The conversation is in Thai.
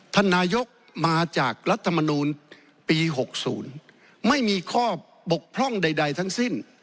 ท่านนายกมาจากรัฐมนูลปี๖๐ไม่มีข้อบกพร่องใดทั้งสิ้น